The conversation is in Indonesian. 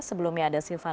sebelumnya ada silvani